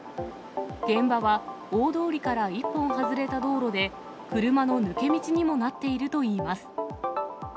現場は大通りから一本外れた道路で、車の抜け道にもなっているといいます。